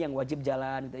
yang wajib jalan